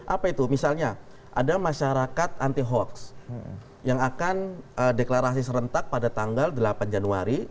apa itu misalnya ada masyarakat anti hoax yang akan deklarasi serentak pada tanggal delapan januari